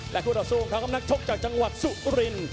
และคู่รักษูงครับนักชกจากจังหวัดสุริน